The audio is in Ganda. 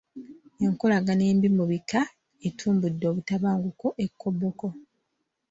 Enkolagana embi mu bika etumbudde obutabanguko e Koboko.